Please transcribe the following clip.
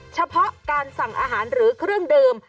เฉพาะการสั่งอาหารหรือเครื่องดื่ม